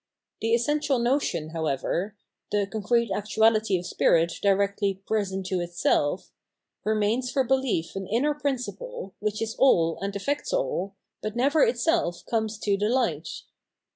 The essen tial notion, however, — the concrete actuality of spirit directly present to itself — ^remains for belief an inner principle, which is all and effects all, but never itself comes to the light.